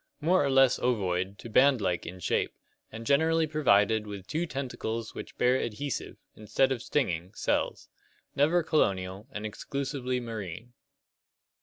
More or less ovoid to band like in shape, and generally provided with two tentacles which bear adhesive, instead of stinging, cells. Never colonial, and exclusively marine.